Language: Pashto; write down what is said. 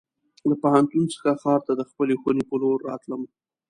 له پوهنتون څخه ښار ته د خپلې خونې په لور راتلم.